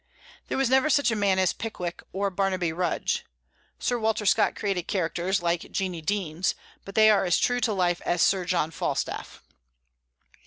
There was never such a man as Pickwick or Barnaby Rudge. Sir Walter Scott created characters, like Jeannie Deans, but they are as true to life as Sir John Falstaff.